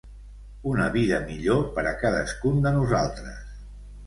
Una vida millor per a cadascun de nosaltres.